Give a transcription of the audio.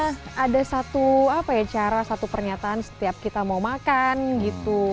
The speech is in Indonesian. karena ada satu apa ya cara satu pernyataan setiap kita mau makan gitu